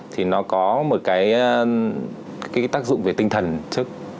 thì nó có một cái tác dụng về tinh thần thức